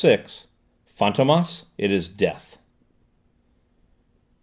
"FANTÔMAS, IT IS DEATH!"